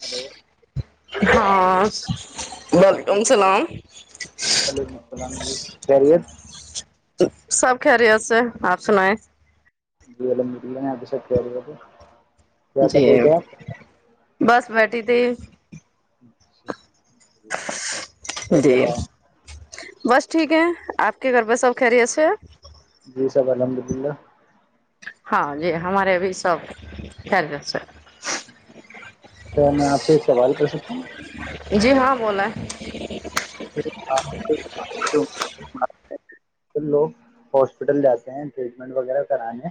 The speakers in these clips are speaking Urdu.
ہلو ہاں ولیکم سلام وعلیکم السلام جی خیریت سب کرییے سے آپ سنیں جی الحمدلہ نے آپ سب تیاری ب جی بس بی تھ ی جی بس ٹھیک ہے آپ کے گھر پہ سب خہریی اس جی سب الحمد للہ ہاں جی ہمارے بھی سب خل جس ا خ میں آپ سے ایک سوال کر سکتا ہوں جی ہاں بولیں ہاں س لوگ ہاسپٹل جاتے ہیں ٹریٹمنٹ وغیرہ کرانے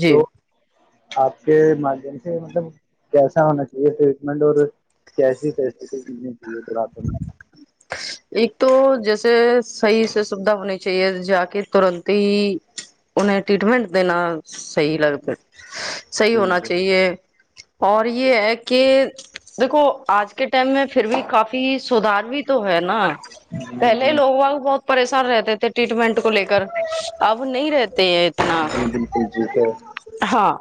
جی تو آپ کے مادھیم سے مطلب کیسا ہونا چاہیے ٹریٹمنٹ اور کیسی فیسلٹیز ملنی چاہیے تھڑپ ایک تو جیسے صحیح سے سویدھا ہونی چاہیے جا کے ترنت ہی انہیں ٹریٹمینٹ دین صحی لگتا ہے صحیح ہونا میں چاہیے اور یہ ہے کہ دیکھو آج کے ٹائم میں پھر بھی کافی سدھار بھی تو ن جی جی جی پہلے جی لوگوںاگ بہت پریشان رہتے تھے ٹریٹمنٹ کو لے کر اب نہیں رہتے اتنا جی بالکل ٹھیک ہے ہاں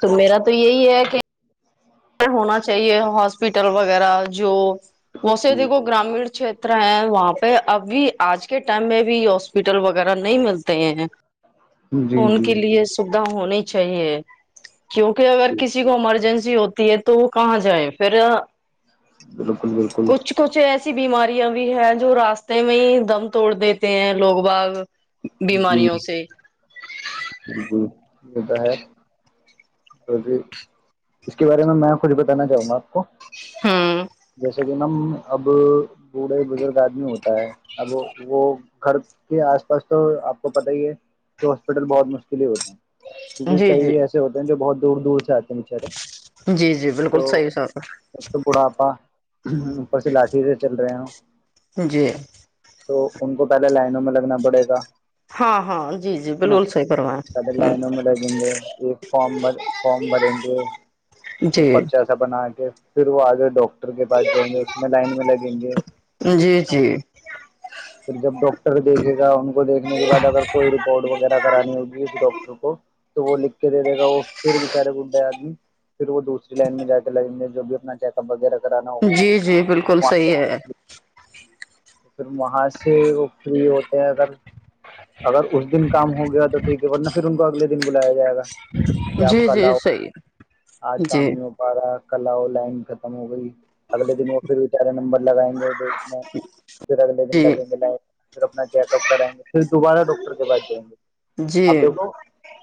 تو میرا تو یہی ہے کہ ہونا چاہیے ہاسپٹل وغیرہ جو بسے جی د کو جی گرامیین چت ر ہیں وہاں پہ اب بھی آج کے ٹائم میں بھی ہاسپٹل وغیرہ نہیں ملتے ہیں ان جی کے جی لیے سوھا ہونے چاہیے کیونکہ اگر کسی کو ایمرجنسی ہوتی تو وہ کہاں جائ پھر بالکل بالکل کچھ کچھ ایسی بیماریاں بھی ہیں جو راستے میں ہی دم توڑ دیتے ہیں لوگ باغ جی بیماریوں سے جی متا ہے جی اس کے بارے میں میں کھ بتانا چاہوں گا آپ کو ہوں جیسے یہ نم اب بوڑھے بزرگ آدمی ہوتا ہے اب وہ گھر کے آس پاس تو آپ کو پت ہی ہے کہ ہاسپٹل بہت مشکل ہی ہوتے ہیں کیونکہ جی جی کئی ایسے ہوتے م بہت دور دور سے آ چارے جی جی بالکل تو صحیح سر ایک بڑا آپا اوپر سے لاٹھی سے چل رہے ہو جی تو ان کو پہلے لائنوں میں لگنا پڑے گا ہاں ہاں جی جی نا بالکل صحی پروایں ہ وہ فارم بھر فارم بھریں گے وہ جی پرچاسا بنا کے پھر وہ آگے ڈاکٹر کے پاس جائیں گے اس میں لائن میں لگے یں گے جی جی رجب ڈاکٹ ڈٹر دیکھے گا ان کو دیکھنے کے بعد اگر کوئی رپورٹ وغیرہ کرانی ہوگی اس ڈاکٹر کو تو وہ لکھ کے دے دے گا وہ پھر بچارے گڈئے آدمی پھر وہ دوسری لائن میں جا کے لگیں گے جو بھی اپنا چیک اپ وغیرہ کرانا ہوگا جی جی بالکل صحیح ہے تو پھر وہاں سے وہ فری ہوتے ہیں اگر اگر اس دن کام ہو گیا تو ٹھیک ہے ورنہ پھر ان کو اگلے دن بلایاائے گا کہ جی آپ کل جی آؤ صحیح ہے آج کام نہیں ہو پا رہا ہے کلا اور لائن ختم ہو گئی اگلے دن وہ پھر بی چارے نمبر لگائیں گے ڈیٹ میں پھر اگلے دن جی لگیں گے لائ پھر اپنا چیک اپ کرائیں گے پھر دوبارہ ڈاکٹر کے پاس جائیں گے جی آپ دیکھو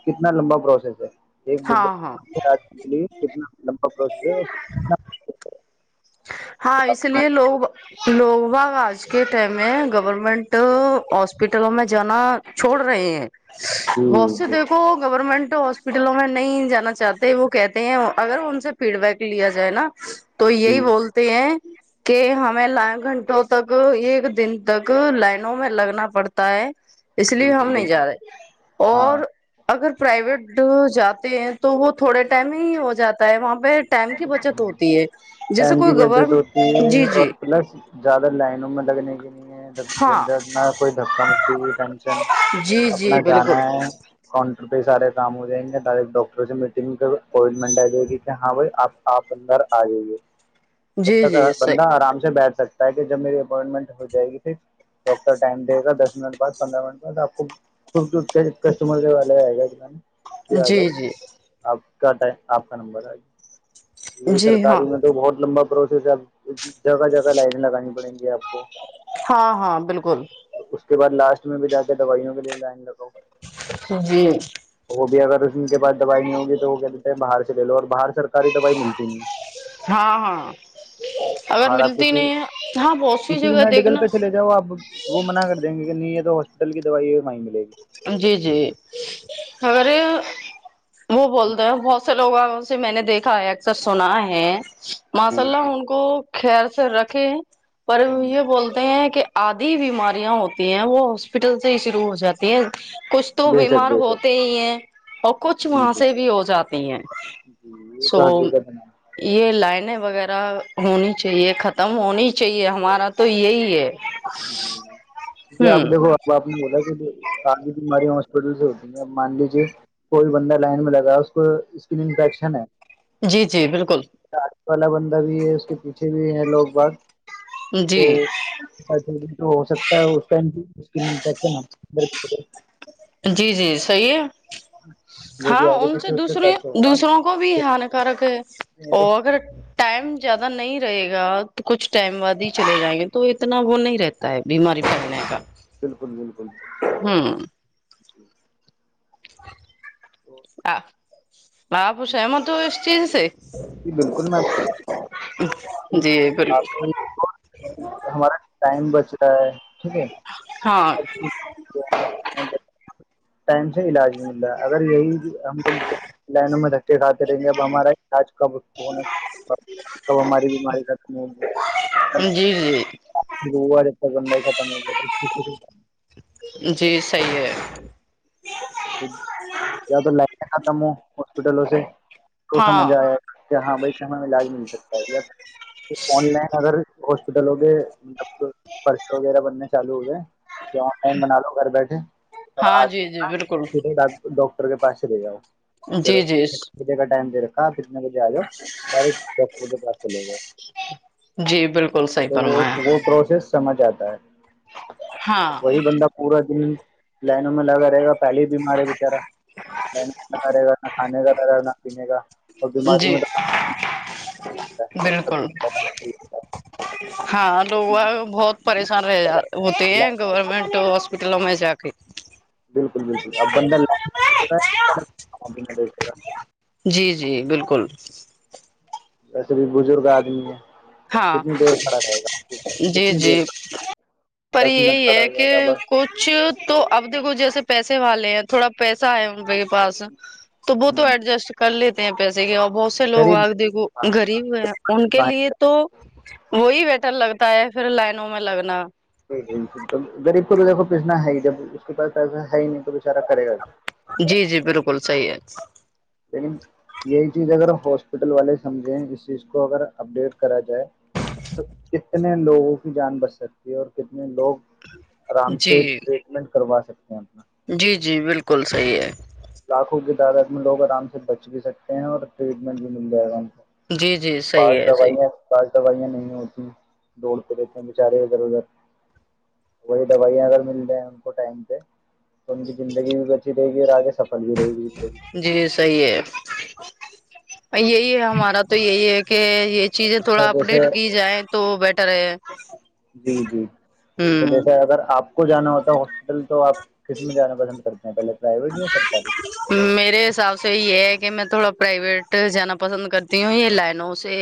کتنا لمبا پروسیس ہے ایک ہاں بھا ہاں کتنا لمبا پروسیسر ہاں اس لیے لوگ لوگ باگ آج کے ٹائم میں گ گورنمنٹ ہاسپٹلوں میں جانا چھوڑ رہے ہیں جی بس جی دیکھو گورمنٹ ہاسپٹلوں میں نہیں جانا چاہتے وہ کہتے ہیں اگر ان سے فیڈ بیک لیا جائے نا تو یہی جی ہیں کہ ہمیں ل گھنٹوں تک ایک دن تک لائن میں لگنا پڑتا ہے اس لیے بالکل ہم نہیں بالکل جا رہے اور ہاں اگر پرائیویٹ جاتے ہیں تو وہ تھوڑے ٹائم ہی ہو جاتا ہے وہاںہ وہ ٹائم کی بچت ہوتی ہے جیسے ٹائم کوئی کی بچت گورن ہوتی ہے جی اور جی پلس زیادہ لائنوں میں لگنے کی نہیں ہے ہاں جننا کوئی دھکا مکی ہو ٹینشن جی جی اپنا جانا بالکل ہے کاؤنٹر ب سارے کام ہو جائیں گے در ایک ڈاکٹر سے میٹنگ کر اپوائنٹمنٹ آ جائے گی کہ ہاں بھائی آپ آپ اندر آ جائیے جب جی تک جی بندہ صحیح آرام سے بیٹھ سکتا تاکہ جب میری اپوائنٹمنٹ ہو جائے گی ٹھیک ڈاکٹر ٹائم دے گاس منٹ بع پندرہ منٹ بعد آ [inaudible] کسٹمر کے والے آئے گا کیا آ جی جؤ جی آپ کاتا ہے آپ کا نمبر آئی یہ جی ہاں سرکاری میں تو بہت لمبا پروسیس اب جگہ جگہ لائنیں لگانی پڑیں گی آپ کو ہاں ہاں بالکل اس کے بع لاسٹ میں بھی جاتے دوائیوں کے لیے لائن لگاؤ جی بھی اگر اس کے پس دوائی نہیں ہوگی تو وہ کہ دیتے ہیں باہر چلے لو اور باہر سر ساری دوائی ملتی نہیں ہاں ہاں اگر باہر آپ ملتی کسی نہیں ہے ہاں بہت سی کسی بھی جگہ میڈیکل دیکھنا پہ چلے جاؤ آپ وہ منع کر دیں گے کہ نہیں یہ تو ہسپٹل کی دوائی ہے وہیں ملے جی جی ارے وہ بولتے ہیں بہت سے لوگ آ سے میں نے دیکھا ہے اکثر سنا ہے ماسء جی اللہ جی ہن کو خیر سےیر رکھے پر ہ یہ بولتے ہیں کہ آدھی بیماریاں ہوتی ہیں وہ ہاپٹل سے ہی شوع ہواتا کچھ تو بے شک بیمار بے شک ہوتے ہی ہیں اور کچھ جی وہاں جی سے بھی ہو جاتی ہیں جی یہ سو تو حقیقت ہے یہ لائن وغیرہ ہونی چاہیے ختم ہونی چاہیے ہمارا تو یہی ہے جی آپ ہوں دیکھو اب آپ نے بولا کہ سی بماری ہسپٹل سے ہوتی مان لیجے کوئی بندہ لائن میں لگا اس کو اسکن انفیکشن ہے جی جی بالکل کال بندہ بھی ہے اس کے پیچھے بھی ہے لوگ بت جی ہو سکتا ہے اس ائم اسکن انفشنرد جی جی صحیح ہے جو بھی ہاں آگے ان سے پیچھے اس دوسرے ٹچ ہوگا دوسروں کو بھی ہانکارک ہے وہ تو اگر ائم زیادہ نہیں رہے گا تو کچھ ٹائم وادی چلے جائیں گے تو اتنا وہ نہیں رہتا ہے بیماری پلنے کا بالکل بالکل ہوں تو آ [unintelligible] [inaudible] ماں پوس ہے م تو [unintelligible] چیز سے جی بالکل میںش جی بالکل آپ ہمارا ٹائم بچ رہا ہے ٹھیک ہے ہاں ٹائم سے علاج بھی مل رہا ہے اگر یہی ہم لوگ لائنوں میں دھاتے رہیں گے اب ہمارا نا کب ہماری بیماری رتم ہوگی جی جی بند ہی ختم ہو گ جی صیح ہے کیا تو لے ک تم ہاسپٹلوں سے تو ہاں سمجھ آیا کیا ہاں بھائی کہ ہمیں علاج مل سکتا ہے یا آن لائن اگر ہاسپٹل ہو گے مطلب پرسے وغیرہ بننے چالو ہو جائے کہ آن لائن بنا لو گھر بیٹھے اور آ ہاں جی جی بالکل ڈاکٹر کے پاسے دے جاؤ جی جی چلوے کا ٹائم دے رہے کتنے بجے آ جا بے پاس چلے گئے جی بالکل صحیح تو وہ فرمایا وہ پروسیس سمجھ آتا ا ہاں [inaudible] وہی بندہ پورا دن لائنوں میں لگا رہے گا پہلے ہی بیمار ہے بچارا من رہے گا نا کھانے کا رہے گا نا پن کا اور بیماریوں جی میں تو کھانا ہوتا ہے سب بالکل سے زیادہ نقصان ہاں لوگ بہت پریشان رہ ہوتے ہیں گورنمنٹ ہاسپٹلوں میں جاکے بالکل بالکل اب بند ل کے ہدش کا جی جی بالکل ویسے بھی بزرگ آدمی ہے ہاں کتنی دیر کھڑا رہے گا جی کتنی دیر جی پر دس منٹ یہی کھڑا ہے ہو کہ جائے گا بس کچھ تو اب دیکھو جیسے پیسے والے ہیں تھوڑا پیسا ہے روپ کے پاس تو وہ تو ہ ایڈجسٹ کر لیتے ہیں پیسے کے بہت سے لوگ غریب آگ دیکھو غریب ہوئے ہیں ان کے لیے تو وہی بیٹر لگتا ہے پھر لائنوں میں لگنا غریب کو بھی دیکھو پیچنا ہے ہی جب اس کے پاس ایسا ہے ہی نہیں تو بچارہ کرے گا جی جی بالکل صحیح ہے لیکن یہی چیز اگر ہاسپٹل والے سمجھیں اس چیز کو اگر اپڈیٹ کرا جائے تو کتنے لوگوں کی جان بچ سکتی ہے اور کتنے لوگ آرام سے جی ریٹمنٹ کروا سکتے ہیں آ جی جی بالکل صحیح ہے لاکھوں کی تعداد میں لوگ آرام سے بچ بھی سکتے ہیں اور ٹریٹمنٹ بھی مل جائے گا ہم جی جی صحیح ہے صحیح بعض دوائیاں نہیں ہوتییں دوڑتے رہتے ہیں بیچارے ادھر ادھر وہی دوائیاں اگر مل جائیں ان کو ٹائم پہ تم کی زندگی بھی بچی رہے گی یہ آگے سب جی صحیح ہے [unintelligible] یہی ہے ہمارا تو یہی ہے کہ یہ چیزیں اچھا تھوڑا اپ جیسے ڈیٹ کی جائیں تو بیٹ طر جی جی اچھا ہوں جیسے اگر آپ آ کو جانا ہوتا ہے ہاسپٹل تو آپ کس میں جانا پسند کرتے ہیں پہلے پرائیویٹ یا سرکاری میرے حساب سے یہ ہے کہ میں تھوڑا پرائیویٹ جانا پسند کرتی ہوں یہ لائنوں سے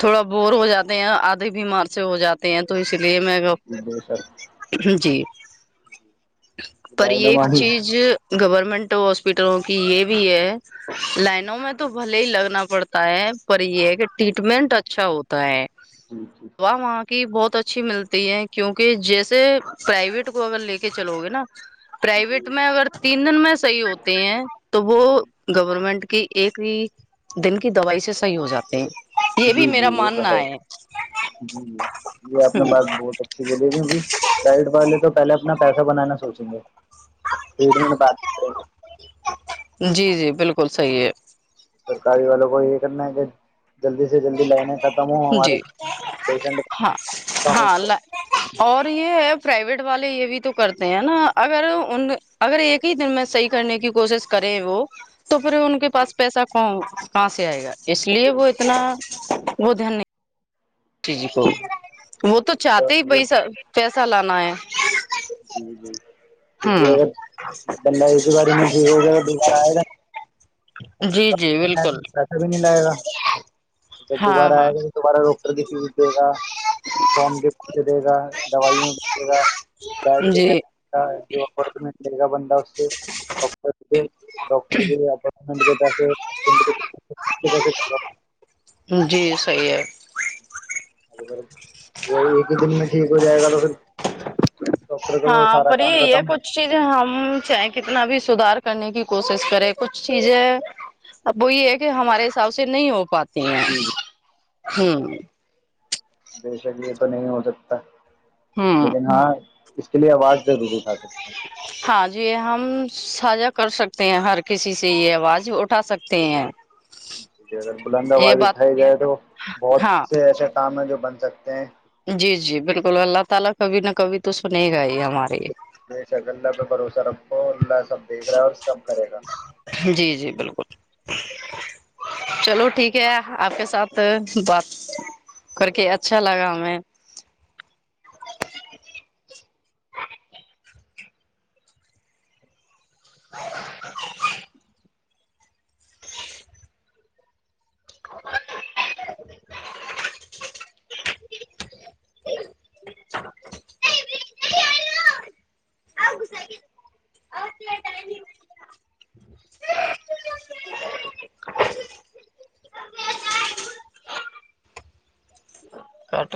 تھوڑا بور ہو جاتے ہیں آدے بیمار سے ہو جاتے ہیں تو اسی لی میں جی بے شک جی پر ایک رہنمائی چیز گور ورمنٹ ہاسپٹلوں کی یہ بھی ہے لائنوں میں تو بھلے ہی لگنا پڑتا ہے پر یہ ہے کہ ٹریٹمنٹ اچھا ہوتا ہے جی جی کہ بہت اچھی ملتی ہے کیونکہ جیسے پرائیویٹ کو اگر لے کے چلو گے نا پرائیویٹ میں اگر تین دن میں صحیح ہوتے ہیں تو وہ گورنمنٹ کہ ایک ہی دن کی دوائی سے صحیح ہو جاتے ہیں یہ جی بھی جی میرا وہ تو ہے ماننا جی جی یہ اپنا بات ہ بہت اچھی بولی تھیکہ بیائٹ والے تو پہلے اپنا پیسا بنانا سوچیں گے ٹریٹمنٹ بات کریں گے جی جی بالکل صحیح ہے سرکاری والوں کو یہ کرنا ہے کہ جلدی سے جلدی لینے ختم ہ ہمارے جی پیشنٹ ہاں ہاں اور یہ ہے پرائیویٹ والے یہ بھی تو کرتے ہیں نا اگر ان اگر ایک ہی دن میں صحیح کرنے کی کوشش کریں وہ تو پھر ان کے پاس پیسہ کون پسی آئے گا اس لیے وہ بالکل اتنا وہ دھی نہیں جی جی کو ہاں وہ تو چاہتے ہی پیسہ پیسہ لانا ہے کیکہ ہوں اگر دنندگی کے بارے میں ٹھیک ہوگیا تو دوبارہ آئے گا جی جی بالکل پیسہ بھی نہیں لائے گا جب ہاں دوبارہ ہاں آئے گا دوبارہ ڈاکٹر کی فیس دے گا فارم کے پیے دے گا دوے گا بیڈ کے جی جو اپنٹمنٹ لے گا بندہ اس سے ڈٹر ڈٹر کے اپننٹ کےس جی صحیح یہ اگر وہ ایک ہی دن میں ٹھیک ہو جائے گا تو پھر ڈاکٹر کا تو ہاں سارا پر کام یہ یہ ختم کچھ چیزیں ہم چاہیں کتنا بھی سدھار کرنے کی کوشش کرے کچھ چیزیں اب وہ یہ ہے کہ ہمارے حساب سے نہیں ہو پاتا جی س جی یہ تو ہوں ہے بے شک یہ تو نہیں ہو سکتا ہوں لیکن ہاں اس کے لیے آواز ضرور اٹھا سکتے ہیں یہ ہم ساجا کر سکتے ہیں ہر کسی سے یہ آواز اٹھا سکتے ہیں جیک ہے اگر بلند یہ آباز بات اٹھائی جائے تو بہت ہاں سے ایسے تام میں جو بن سکتے ہیں [unintelligible] سا گلہ پہ بھروسہ ر ا ال سب دیکھ رہا ہے اور سب کرے گا جی جی بالکل چلو ٹھیک ہے آپ کے ساتھ بات کر کے اچھا لگا ہمیں کٹ